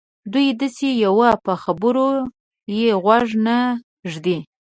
دوی داسې یوو په خبرو یې غوږ نه ږدي.